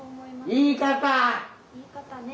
いい方ね。